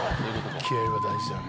気合は大事だね。